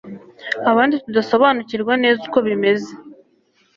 abandi tudasobanukirwa neza uko bimeze